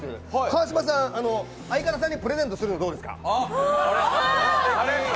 川島さん、相方さんにプレゼントするのどうですか？